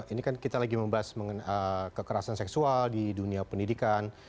ini kan kita lagi membahas mengenai kekerasan seksual di dunia pendidikan